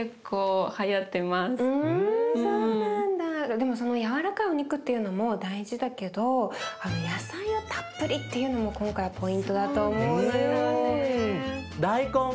でもその軟らかいお肉っていうのも大事だけどあの野菜をたっぷりっていうのも今回はポイントだと思うのよ。